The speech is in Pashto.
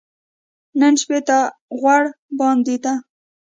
نن شپې ته غوړه باندې ده .